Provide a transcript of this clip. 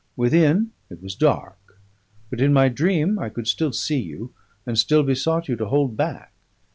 Within, it was dark; but in my dream I could still see you, and still besought you to hold back.